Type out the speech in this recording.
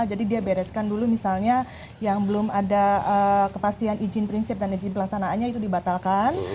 jadi dia bereskan dulu misalnya yang belum ada kepastian izin prinsip dan izin pelastanaannya itu dibatalkan